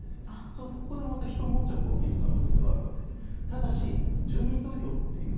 そうすると、ここで、ひと悶着起きる可能性はあるわけでただし住民投票という。